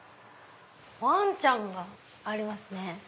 ワンちゃんがありますね。